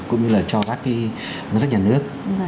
cũng như là cho các ngân sách nhà nước